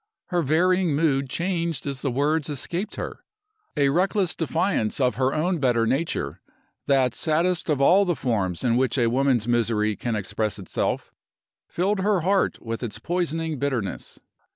Her varying mood changed as the words escaped her. A reckless defiance of her own better nature that saddest of all the forms in which a woman's misery can express itself filled her heart with its poisoning bitterness.